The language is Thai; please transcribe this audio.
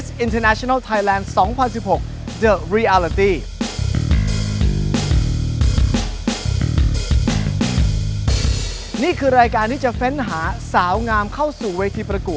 สนุนโดยสถาบันความงามโย